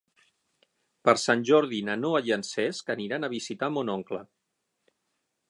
Per Sant Jordi na Noa i en Cesc aniran a visitar mon oncle.